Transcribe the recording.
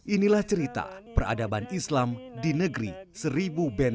inilah cerita peradaban islam di negeri seribu benteng